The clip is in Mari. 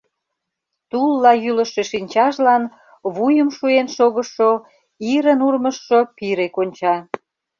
Тулла йӱлышӧ шинчажлан вуйым шуен шогышо, ирын урмыжшо пире конча.